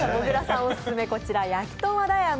オススメ、こちらやきとん和田屋の